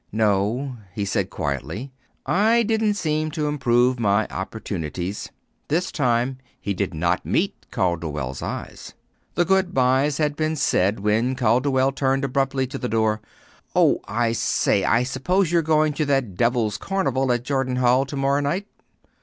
"No," he said quietly. "I didn't seem to improve my opportunities." This time he did not meet Calderwell's eyes. The good byes had been said when Calderwell turned abruptly at the door. "Oh, I say, I suppose you're going to that devil's carnival at Jordan Hall to morrow night."